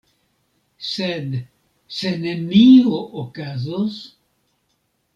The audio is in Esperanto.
Sed se nenio okazos?